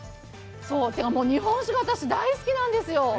そう、日本酒が私大好きなんですよ。